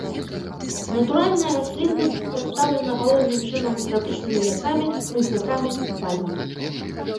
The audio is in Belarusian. Натуральная расліннасць прадстаўлена галоўным чынам трапічнымі лясамі, хмызнякамі і пальмамі.